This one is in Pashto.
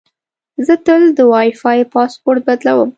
زه تل د وای فای پاسورډ بدلوم.